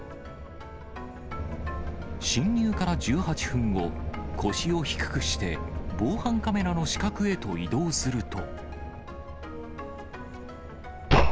侵入から１８分後、腰を低くして、防犯カメラの死角へと移動すると。